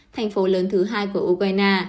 thành phố lớn thứ hai của ukraine